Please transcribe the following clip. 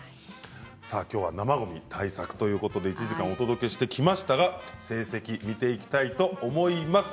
きょうは生ごみ対策ということで１時間お届けしてきましたが成績を見ていきたいと思います。